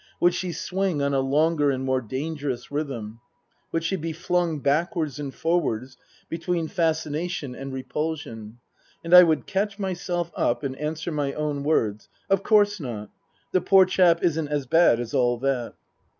Would she swing on a longer and more dangerous rhythm ? Would she be flung backwards and forwards between fascination and repulsion ? And I would catch myself up and answer my own words, " Of course not. The poor chap isn't as bad as all that."